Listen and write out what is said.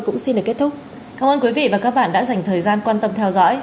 cảm ơn quý vị và các bạn đã dành thời gian quan tâm theo dõi